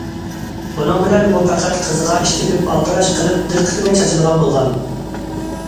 بۇنىڭ بىلەن ئۇ پەقەت قىزىغا ئىش تېپىپ ئالدىراش قىلىپ دىققىتىنى چاچىدىغان بولغان.